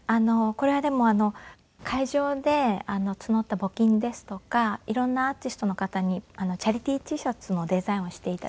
これはでも会場で募った募金ですとか色んなアーティストの方にチャリティーＴシャツのデザインをして頂いて。